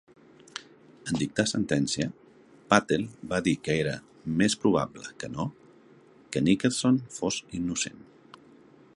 En dictar sentència, Patel va dir que era "més probable que no" que Nickerson fos innocent.